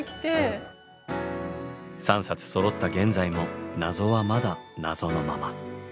３冊そろった現在も謎はまだ謎のまま。